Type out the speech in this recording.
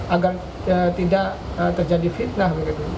agar tidak terjadi fitnah